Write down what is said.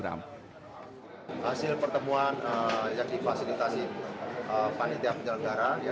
hasil pertemuan yang difasilitasi panitia penyelenggara